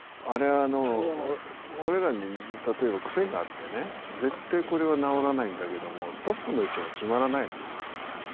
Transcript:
あれは俺らに例えば癖があってね絶対これは直らないんだけどもトップの位置が決まらないの。